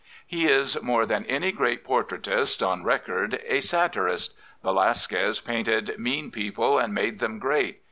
He is, more than any great portraitist on record, a satirist. Velasquez painted mean people and made them great.